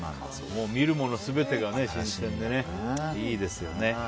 見るもの全てが新鮮でねいいですよね。